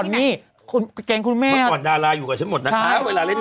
เมื่อก่อนดาราอยู่กับฉันหมดนะคะเวลาเล่นเผ้า